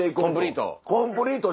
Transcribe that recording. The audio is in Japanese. コンプリート。